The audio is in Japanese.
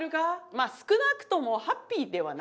まあ少なくともハッピーではない。